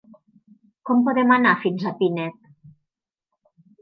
Com podem anar fins a Pinet?